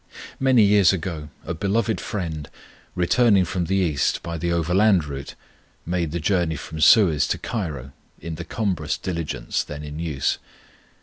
Many years ago a beloved friend, returning from the East by the overland route, made the journey from Suez to Cairo in the cumbrous diligence then in use.